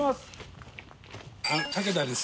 武田です。